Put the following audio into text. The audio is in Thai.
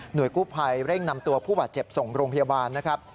โดยกู้ภัยเร่งนำตัวผู้บาดเจ็บส่งโรงพยาบาลนะครับ